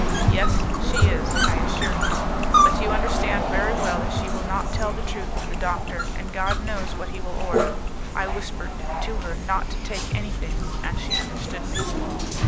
"Yes, she is, I assure you; but you understand very well that she will not tell the truth to the doctor, and God knows what he will order. I whispered to her not to take anything, and she understood me."